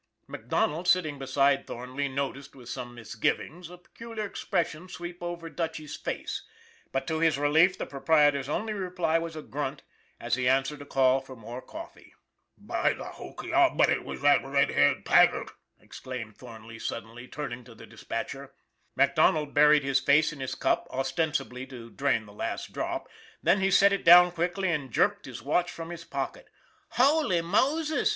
" MacDonald, sitting beside Thornley, noticed, with some misgivings, a peculiar expression sweep over Dutchy's face, but to his relief the proprietor's only reply was a grunt, as he answered a call for more coffee. " By the hokey, I'll bet it was that red haired Tag gart!" exclaimed Thornley suddenly, turning to the dispatcher. MacDonald buried his face in his cup, ostensibly to drain the last drop, then he set it down quickly and jerked his watch from his pocket. "Holy Moses!"